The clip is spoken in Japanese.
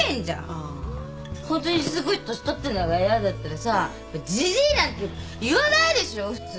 ホントにすごい年取ってんのが嫌だったらさじじいなんて言わないでしょ普通。